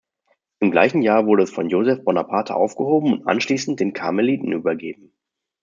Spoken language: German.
Im gleichen Jahr wurde es von Joseph Bonaparte aufgehoben und anschließend den Karmeliten übergeben.